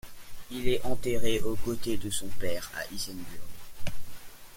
Il est enterré au côté de son père à Ilsenburg.